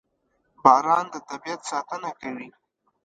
• باران د طبیعت ساتنه کوي.